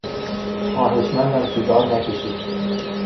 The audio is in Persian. خواهشمندم سیگار نکشید!